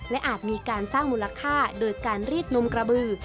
และอาจมีการสร้างมูลค่าโดยการรีดนมกระบือ